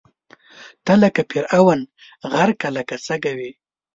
ته لکه فرعون، غرقه له شکه وې